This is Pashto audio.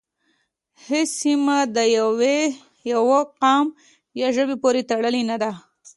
هیڅ سیمه د یوه قوم یا ژبې پورې تړلې نه ده